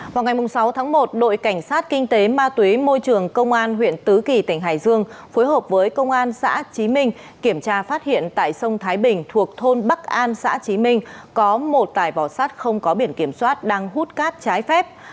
vào ngày sáu tháng một đội cảnh sát kinh tế ma túy môi trường công an huyện tứ kỳ tỉnh hải dương phối hợp với công an xã trí minh kiểm tra phát hiện tại sông thái bình thuộc thôn bắc an xã trí minh có một tải vỏ sát không có biển kiểm soát đang hút cát trái phép